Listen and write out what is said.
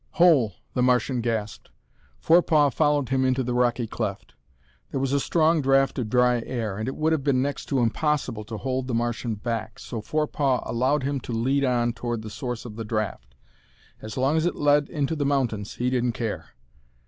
"Hole!" the Martian gasped. Forepaugh followed him into the rocky cleft. There was a strong draft of dry air, and it would have been next to impossible to hold the Martian back, so Forepaugh allowed him to lead on toward the source of the draft. As long as it led into the mountains he didn't care.